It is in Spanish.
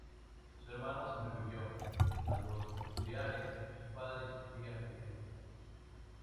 Su hermano sobrevivió a los lahares; su padre y su tía murieron.